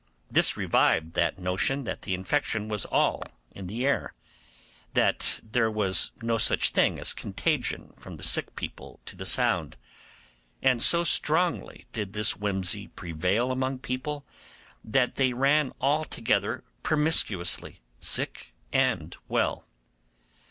This revived that notion that the infection was all in the air, that there was no such thing as contagion from the sick people to the sound; and so strongly did this whimsy prevail among people that they ran all together promiscuously, sick and well.